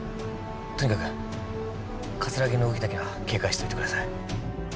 とにかく葛城の動きだけは警戒しておいてください